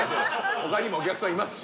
他にもお客さんいますし。